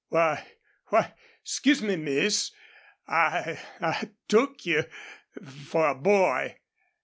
... Why why 'scuse me, miss. I I took you for a boy."